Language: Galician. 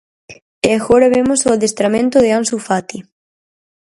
E agora vemos o adestramento de Ansu Fati.